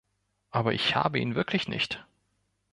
Aber ich habe ihn wirklich nicht!